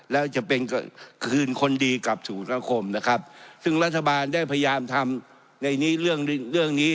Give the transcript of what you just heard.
และจะเป็นคืนคนดีกับสุนคมนะครับซึ่งรัฐบาลได้พยายามทำในเรื่องนี้